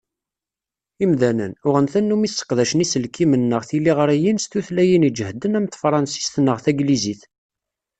Imdanen, uɣen tannumi sseqdacen iselkimen neɣ tiliɣriyin s tutlayin iǧehden am tefransist neɣ taglizit.